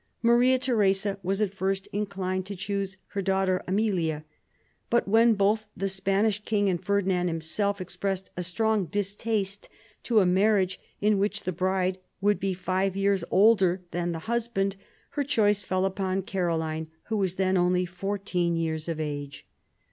Maria Theresa was at first inclined to choose her daughter Amelia. But when both the Spanish king and Ferdinand himself expressed a strong distaste to a marriage in which the bride would be five years older than the husband, her choice fell upon Caroline, who was then only fourteen years of age.